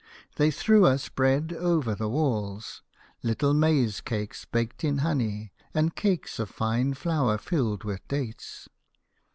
They threw us bread over the walls, little maize cakes baked in honey and cakes of fine flour filled with dates.